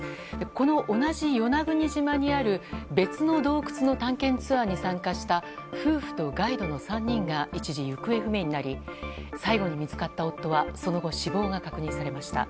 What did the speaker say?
この同じ与那国島にある別の洞窟の探検ツアーに参加した夫婦とガイドの３人が一時行方不明になり最後に見つかった夫はその後、死亡が確認されました。